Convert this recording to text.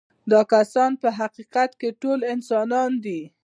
دا کسان په حقیقت کې ټول انسانان دي.